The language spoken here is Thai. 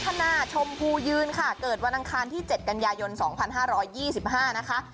ถามมาเรื่องโชคลาบครอบครัวบริวาร